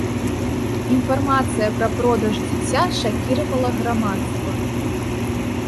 Інфармацыя пра продаж дзіця шакіравала грамадства.